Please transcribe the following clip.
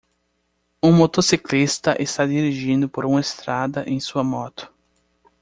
Um motociclista está dirigindo por uma estrada em sua moto.